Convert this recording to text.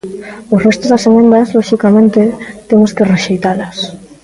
O resto das emendas, loxicamente, temos que rexeitalas.